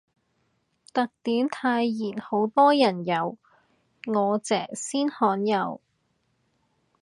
特典泰妍好多人有，我姐先罕有